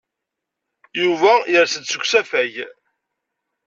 Yuba yers-d seg usafag.